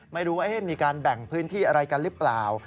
ไม่รู้ว่ามีการแบ่งพื้นที่อะไรกันหรือเปล่า